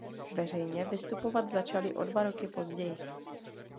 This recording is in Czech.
Veřejně vystupovat začali o dva roky později.